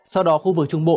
sau đó khu vực trung bộ